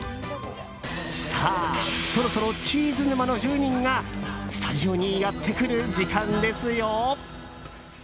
さあ、そろそろチーズ沼の住人がスタジオにやってくる時間ですよ。